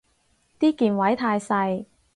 啲鍵位太細